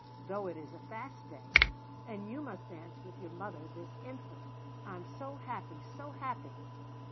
though it is a fast day; and you must dance with your mother this instant I am so happy, so happy!"